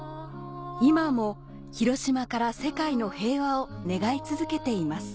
今も広島から世界の平和を願い続けています